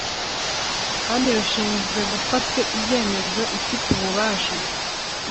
kandi rushinzwe gufata ibyemezo Ifite ububasha